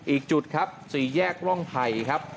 อีกจุดครับสี่แยกร่องไผ่ครับ